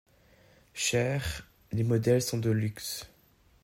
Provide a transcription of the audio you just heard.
Chers, les modèles sont de luxe.